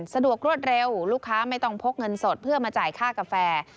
สะดวกรวดเร็วลูกค้าไม่ต้องพกเงินสดเพื่อมาจ่ายค่ากาแฟ